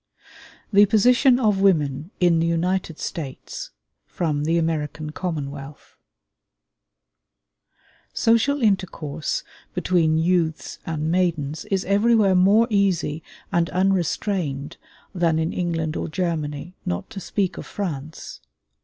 THE POSITION OF WOMEN IN THE UNITED STATES From 'The American Commonwealth' Social intercourse between youths and maidens is everywhere more easy and unrestrained than in England or Germany, not to speak of France.